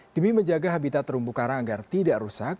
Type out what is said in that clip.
demi menjaga habitat terumbu karang agar tidak rusak